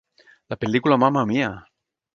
La pel·lícula Mamma Mia!